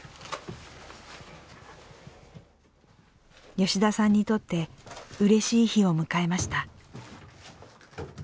吉田さんにとってうれしい日を迎えました。